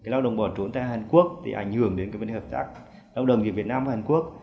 lao động bỏ trốn tại hàn quốc thì ảnh hưởng đến các bên hợp tác lao động việt nam và hàn quốc